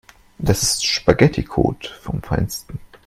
Das ist Spaghetticode vom Feinsten.